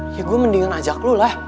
ya gue mendingan ajak lo lah